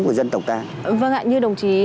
của dân tộc ta vâng ạ như đồng chí